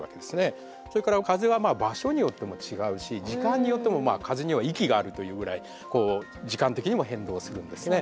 それから風は場所によっても違うし時間によってもまあ「風には息がある」と言うぐらいこう時間的にも変動するんですね。